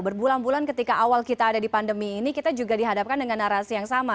berbulan bulan ketika awal kita ada di pandemi ini kita juga dihadapkan dengan narasi yang sama